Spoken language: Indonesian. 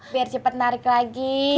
biar cepet narik lagi